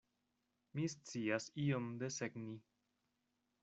Mi scias iom desegni.